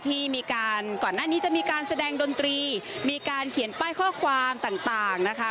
ที่มีการก่อนหน้านี้จะมีการแสดงดนตรีมีการเขียนป้ายข้อความต่างนะคะ